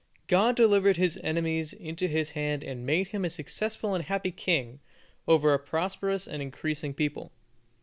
God delivered his enemies into his hand and made him a successful and happy king, over a prosperous and increasing people.